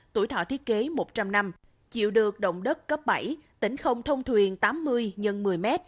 tuổi thọ thiết kế một trăm linh năm chịu được động đất cấp bảy tỉnh không thông thuyền tám mươi x một mươi m